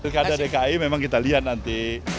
pilkada dki memang kita lihat nanti